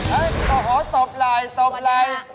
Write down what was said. เฮ่ยโอ้โฮตบไหล่ตบไหล่